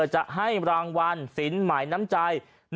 จะให้รางวัลสินหมายน้ำใจ